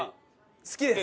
好きです。